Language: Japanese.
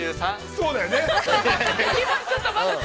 ◆そうだよね。